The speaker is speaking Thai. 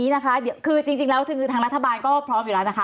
เอาอย่างนี้นะคะคือจริงแล้วทางรัฐบาลก็พร้อมอยู่แล้วนะคะ